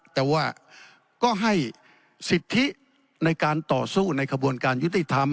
แต่ว่าก็ให้สิทธิในการต่อสู้ในขบวนการยุติธรรม